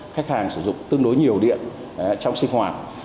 khách hàng sử dụng tương đối nhiều điện trong sinh hoạt